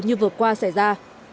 như vừa qua xảy ra